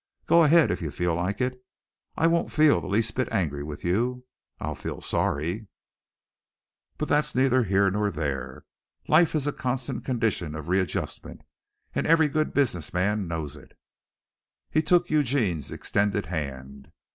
Go ahead if you feel like it. I won't feel the least bit angry with you. I'll feel sorry, but that's neither here nor there. Life is a constant condition of readjustment, and every good business man knows it." He took Eugene's extended hand.